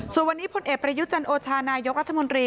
ส่วนวันนี้พลเอกประยุจันโอชานายกรัฐมนตรี